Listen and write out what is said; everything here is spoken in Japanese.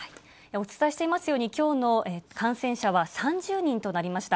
お伝えしていますように、きょうの感染者は３０人となりました。